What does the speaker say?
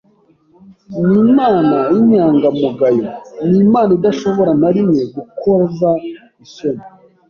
ni Imana y’inyangamugayo, ni Imana idashobora na rimwe gukoza isoni